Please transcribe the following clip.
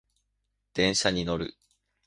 電車に乗る